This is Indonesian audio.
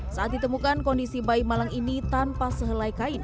saat ditemukan kondisi bayi malang ini tanpa sehelai kain